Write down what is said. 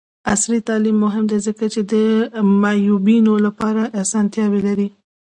عصري تعلیم مهم دی ځکه چې د معیوبینو لپاره اسانتیاوې لري.